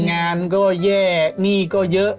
งานก็แย่หนี้ก็เยอะ